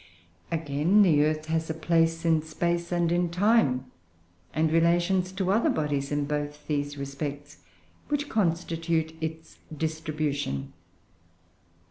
Again, the earth has a place in space and in time, and relations to other bodies in both these respects, which constitute its distribution.